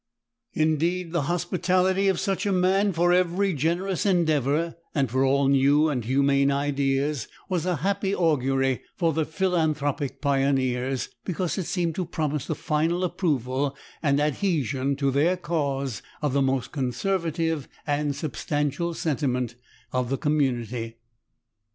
Indeed, the hospitality of such a man for every generous endeavor and for all new and humane ideas was a happy augury for the philanthropic pioneers, because it seemed to promise the final approval and adhesion to their cause of the most conservative and substantial sentiment of the community.